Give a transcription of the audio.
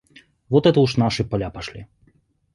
Вот это уж наши поля пошли.